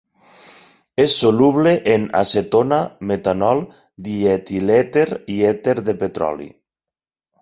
És soluble en acetona, metanol, dietilèter i èter de petroli.